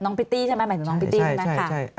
น้องพิตตี้ใช่ไหมหมายถึงน้องพิตตี้นะคะ